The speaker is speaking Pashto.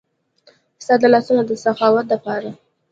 ستا د لاسونو د سخاوت د پاره